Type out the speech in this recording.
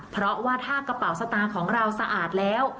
เพราะว่าถ้ากระเป๋าสตางค์ของเราสะอาดแล้ว